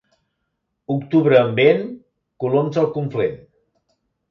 Octubre amb vent, coloms al Conflent.